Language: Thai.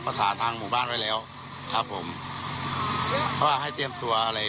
ทางหมู่บ้านไว้แล้วครับผมเพราะว่าให้เตรียมตัวอะไร